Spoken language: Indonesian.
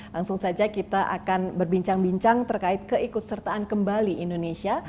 langsung saja kita akan berbincang bincang terkait keikut sertaan kembali indonesia